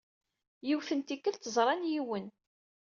Yiwet n tikkelt, ẓran yiwen.